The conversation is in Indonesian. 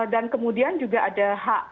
dan kemudian juga ada